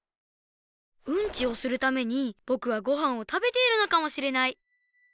ウンチをするためにぼくはごはんをたべているのかもしれない。